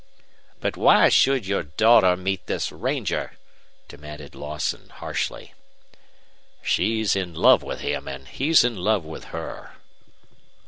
"But why should your daughter meet this ranger?" demanded Lawson, harshly. "She's in love with him, and he's in love with her."